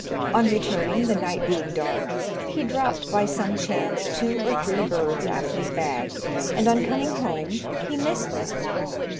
On returning, the night being dark, he dropped, by some chance, two or three birds out of his bag, and on coming home he missed them.